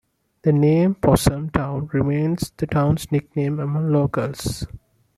The name Possum Town remains the town's nickname among locals.